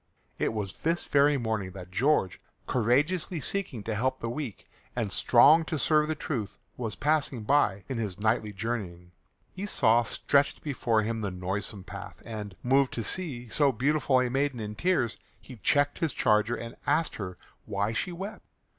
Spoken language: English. It was this very morning that George, courageously seeking to help the weak, and strong to serve the truth, was passing by in his knightly journeying. He saw stretched before him the noisome path, and, moved to see so beautiful a maiden in tears, he checked his charger and asked her why she wept.